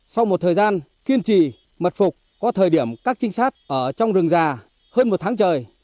sau một thời gian kiên trì mật phục có thời điểm các trinh sát ở trong rừng già hơn một tháng trời